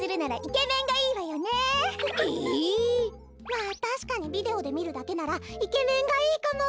まあたしかにビデオでみるだけならイケメンがいいかも！